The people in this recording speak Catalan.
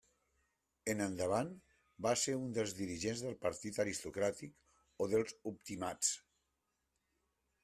En endavant va ser un dels dirigents del partit aristocràtic o dels optimats.